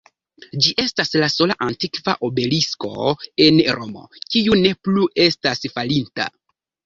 Ĝi estas la sola antikva obelisko en Romo, kiu ne plu estas falinta.